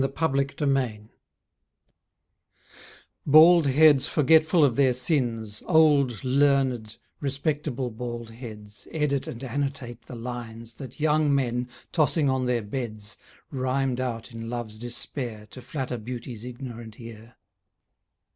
THE SCHOLARS Bald heads forgetful of their sins, Old, learned, respectable bald heads Edit and annotate the lines That young men, tossing on their beds, Rhymed out in love's despair To flatter beauty's ignorant ear.